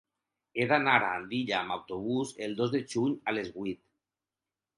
He d'anar a Andilla amb autobús el dos de juny a les vuit.